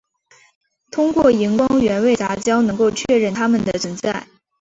通过荧光原位杂交能够确认它们的存在。